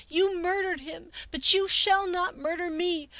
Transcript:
You murdered him, but you shall not murder me!